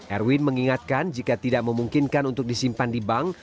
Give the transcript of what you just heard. erwin mengingatkan jika tidak memungkinkan untuk disimpan di bank